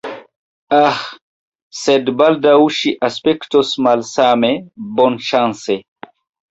Aĥ, sed baldaŭ ŝi aspektos malsame, bonŝance!